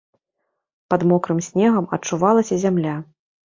Пад мокрым снегам адчувалася зямля.